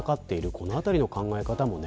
このあたりの考え方もね。